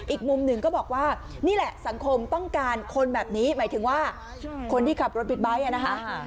อีกมุมหนึ่งก็บอกว่านี่แหละสังคมต้องการคนแบบนี้หมายถึงว่าคนที่ขับรถบิ๊กไบท์นะคะ